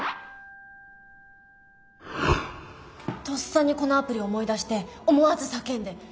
とっさにこのアプリ思い出して思わず叫んで。